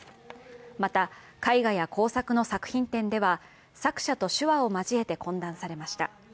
また、絵画や工作の作品展では、作者と手話を交えて懇談されました。